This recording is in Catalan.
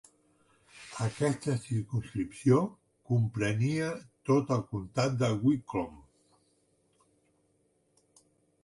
Aquesta circumscripció comprenia tot el comtat de Wicklow.